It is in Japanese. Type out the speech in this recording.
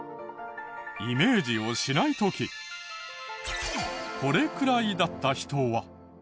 イメージをしない時これくらいだった人は。